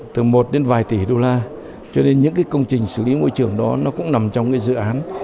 từ một đến vài tỷ đô la cho nên những công trình xử lý môi trường đó nó cũng nằm trong dự án